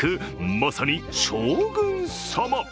まさに将軍様。